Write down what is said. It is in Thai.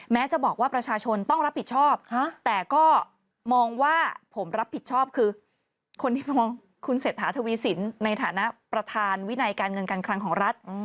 แม้จะบอกว่าประชาชนต้องรับผิดชอบแต่ก็มองว่าผมรับผิดชอบคือคนที่มองคุณเศรษฐาทวีสินในฐานะประธานวินัยการเงินการคลังของรัฐ